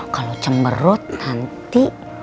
kalau cemberut nanti